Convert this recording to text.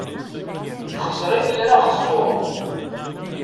Texẓer-it yir axeẓẓur.